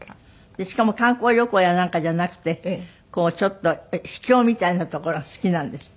しかも観光旅行やなんかじゃなくてちょっと秘境みたいな所が好きなんですって？